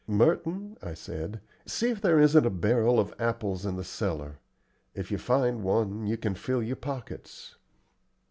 "Merton," I said, "see if there isn't a barrel of apples in the cellar. If you find one, you can fill your pockets."